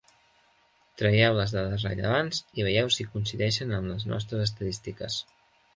Traieu les dades rellevants i veieu si coincideixen amb les nostres estadístiques.